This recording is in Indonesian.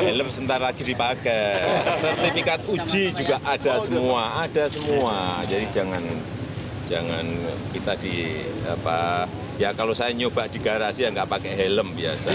helm sentar lagi dipakai sertifikat uji juga ada semua jadi jangan kita di ya kalau saya nyoba di garasi yang tidak pakai helm biasa